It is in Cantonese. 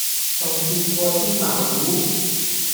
重杰過芝麻糊